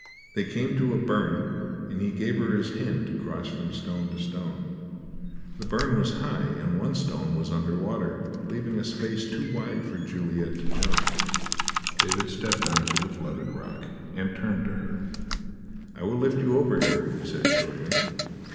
They came to a burn, and he gave her his hand to cross from stone to stone. The burn was high, and one stone was under water, leaving a space too wide for Juliet to jump. David stepped on to the flooded rock, and turned to her. "I will lift you over here," he said shortly.